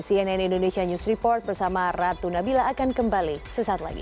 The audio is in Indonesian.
cnn indonesia news report bersama ratu nabila akan kembali sesaat lagi